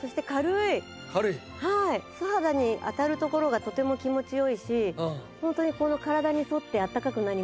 素肌に当たるところがとても気持ち良いしホントにこの体に沿ってあったかくなりますね。